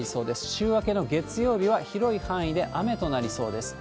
週明けの月曜日は広い範囲で雨となりそうです。